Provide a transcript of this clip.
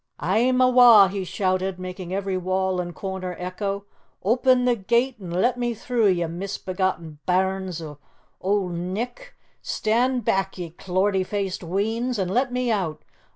"A'm awa'!" he shouted, making every wall and corner echo. "Open the gate an' let me through, ye misbegotten bairns o' Auld Nick! Stand back, ye clortie faced weans, an' let me out!